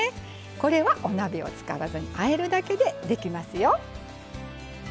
これはお鍋を使わずにあえるだけでできますよ。